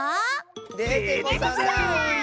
デテコさんだ！